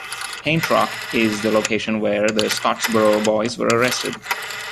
Paint Rock is the location where the Scottsboro Boys were arrested.